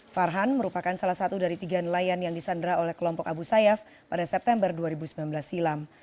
farhan merupakan salah satu dari tiga nelayan yang disandra oleh kelompok abu sayyaf pada september dua ribu sembilan belas silam